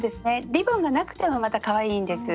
リボンがなくてもまたかわいいんです。